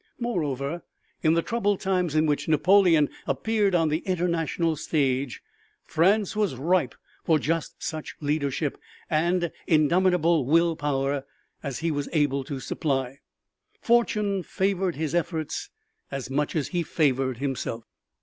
Moreover, in the troubled times in which Napoleon appeared on the international stage, France was ripe for just such leadership and indomitable will power as he was able to supply. Fortune favored his efforts as much as he favored himself.